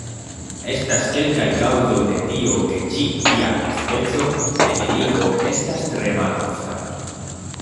Estas kelkaj kaŭzoj de tio ke ĉi tia speco de eligo estas tre malofta.